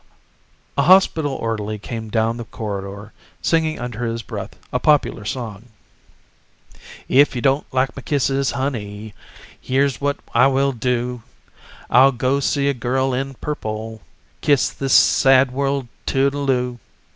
A hospital orderly came down the corridor, singing under his breath a popular song: If you don't like my kisses, honey, Here's what I will do: I'll go see a girl in purple, Kiss this sad world toodle oo.